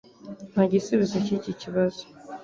Nta gisubizo cyiki kibazo